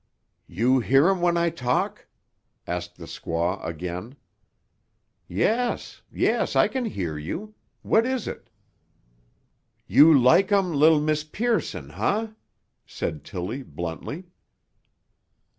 "You hear um what I talk?" asked the squaw again. "Yes, yes; I can hear you. What is it?" "You like um li'l Miss Pearson, huh?" said Tilly bluntly.